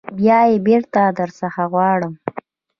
بیا یې بیرته در څخه غواړو.